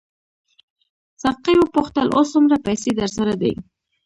ساقي وپوښتل اوس څومره پیسې درسره دي.